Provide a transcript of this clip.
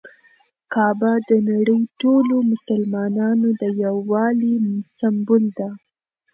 کعبه د نړۍ ټولو مسلمانانو د یووالي سمبول ده.